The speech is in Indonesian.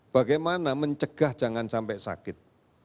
bagaimana mencegah jangan sampai sakit